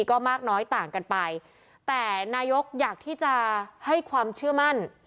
ก็มากน้อยต่างกันไปแต่นายกอยากที่จะให้ความเชื่อมั่น